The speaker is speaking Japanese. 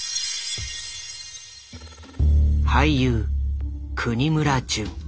俳優國村隼。